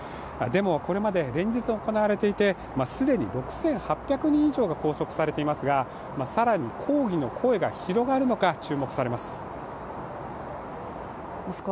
デモはこれまで連日行われていて、既に６８００人以上が拘束されていますが、更に抗議の声が広がるのか注目されます。